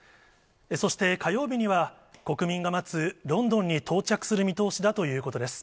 そして火曜日には、国民が待つロンドンに到着する見通しだということです。